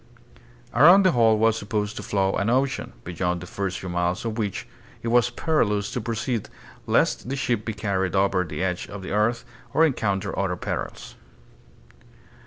Around the whole was supposed to flow an ocean, beyond the first few miles of which it was perilous to proceed lest the ship be carried over the edge of the earth or encounter other perils.